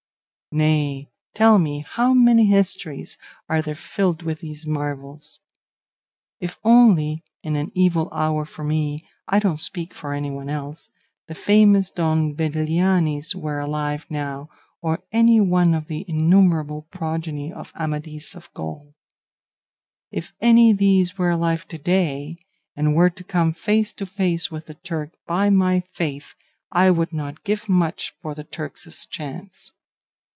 Nay, tell me, how many histories are there filled with these marvels? If only (in an evil hour for me: I don't speak for anyone else) the famous Don Belianis were alive now, or any one of the innumerable progeny of Amadis of Gaul! If any these were alive to day, and were to come face to face with the Turk, by my faith, I would not give much for the Turk's chance.